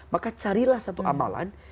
maka carilah satu amalan